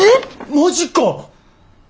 マジか！